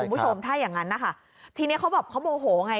คุณผู้ชมถ้าอย่างงั้นนะคะทีนี้เขาแบบเขาโมโหไง